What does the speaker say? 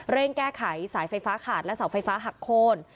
แก้ไขสายไฟฟ้าขาดและเสาไฟฟ้าหักโค้น